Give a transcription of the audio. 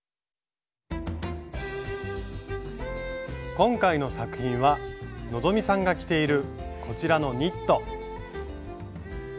今回の作品は希さんが着ているこちらのニット。